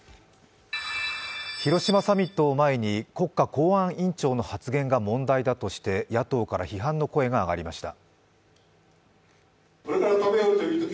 広島サミットを前に国家公安委員長の発言が問題だとして野党から批判の声が上がりました。